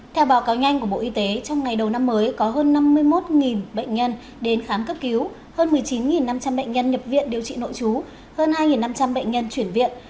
theo báo cáo nhanh của bộ y tế trong ngày đầu năm mới có hơn năm mươi một bệnh nhân đến khám cấp cứu hơn một mươi chín năm trăm linh bệnh nhân nhập viện điều trị nội chú hơn hai năm trăm linh bệnh nhân chuyển viện